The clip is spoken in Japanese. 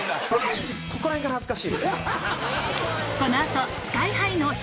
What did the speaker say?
ここら辺から恥ずかしいです。